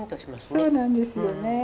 そうなんですよね。